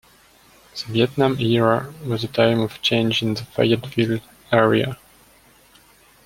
The Vietnam Era was a time of change in the Fayetteville area.